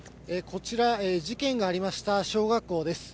こちら、事件がありました小学校です。